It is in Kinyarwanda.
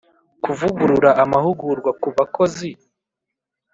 Kuvugurura amahugurwa ku bakozi.